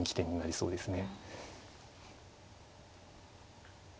そうですね。